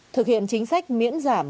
thực hiện chính sách miễn giảm